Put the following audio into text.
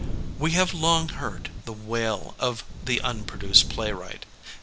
We have long heard the wail of the unproduced playwright.